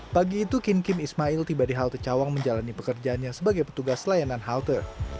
pagi itu kim kim ismail tiba di halte cawang menjalani pekerjaannya sebagai petugas layanan halte